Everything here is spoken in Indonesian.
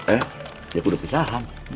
eh dia udah pisahan